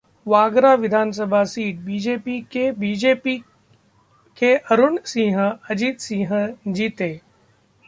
वागरा विधानसभा सीट: बीजेपी के बीजेपी के अरुण सिंह अजीत सिंह जीते